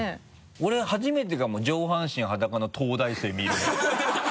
俺初めてかも上半身裸の東大生見るの。